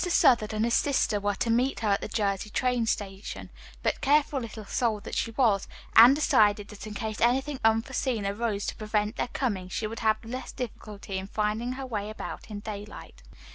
Southard and his sister were to meet her at the Jersey station, but careful little soul that she was, Anne decided that in case anything unforeseen arose to prevent their coming, she would have less difficulty in finding her way about in daylight.